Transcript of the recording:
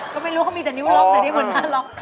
ก็ไม่รู้มีแต่นิ้วล็อกเดี๋ยวนี้มันล็อก